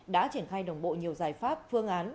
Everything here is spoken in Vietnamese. đã triển khai đồng bộ nhiều giải pháp phương án